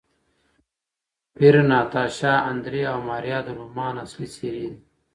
پییر، ناتاشا، اندرې او ماریا د رومان اصلي څېرې دي.